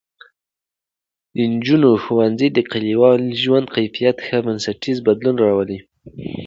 د نجونو ښوونځی د کلیوالو ژوند کیفیت کې بنسټیز بدلون راولي.